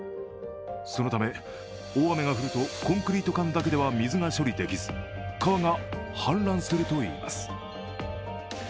そのため、大雨が降るとコンクリート管だけでは水を処理できず川が氾濫するといいます。